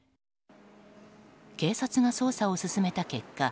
警察が捜査を進めた結果